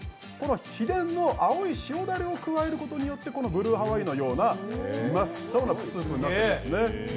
秘伝の青い塩ダレを加えることによって、このブルーハワイのような真っ青にスープになってるんですね。